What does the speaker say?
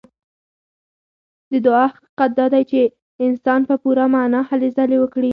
د دعا حقيقت دا دی چې انسان په پوره معنا هلې ځلې وکړي.